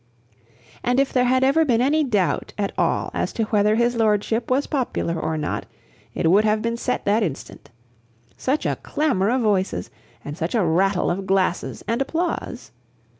And if there had ever been any doubt at all as to whether his lordship was popular or not, it would have been settled that instant. Such a clamor of voices, and such a rattle of glasses and applause!